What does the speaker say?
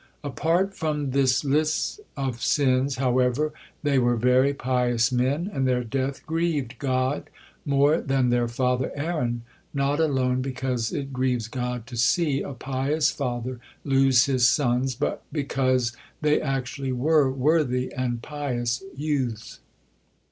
Apart from this lists of sins, however, they were very pious men, and their death grieved God more than their father Aaron, not alone because it grieves God to see a pious father lose his sons, but because they actually were worthy and pious youths.